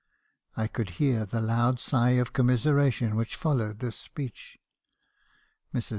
I could hear the loud sigh of commiseration which followed this speech. Mrs.